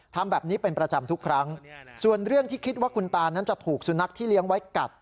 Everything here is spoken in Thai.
ทำแบบนี้เป็นประจำทุกครั้งส่วนเรื่องที่คิดว่าคุณตานั้นจะถูกสุนัขที่เลี้ยงไว้กัด